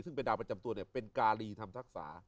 ซึ่งเป็นดาวประจำตัวเป็นการีทำทักษา